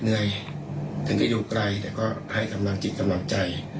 เหนื่อยถึงก็อยู่ไกลแต่ก็ให้กำลังจิตกำลังใจ